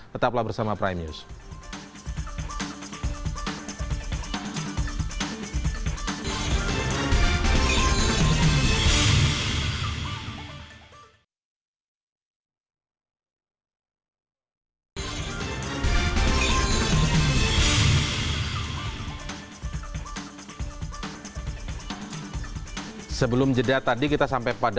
tetaplah bersama prime news